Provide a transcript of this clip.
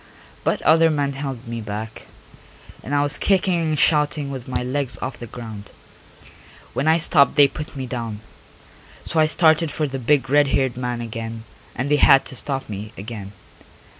But other men held me back, and I was kicking and shouting with my legs off the ground. When I stopped they put me down, so I started for the big red haired man again and they had to stop me again.